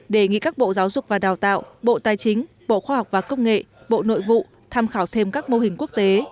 đề nghị các bộ giáo dục và đào tạo bộ tài chính bộ khoa học và công nghệ bộ nội vụ tham khảo thêm các mô hình quốc tế